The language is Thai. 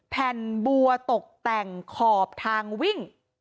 แผ่นบัวตกแต่งขอบทางวิ่ง